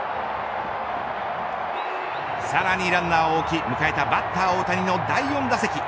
さらにランナーを置き迎えたバッター大谷の第４打席。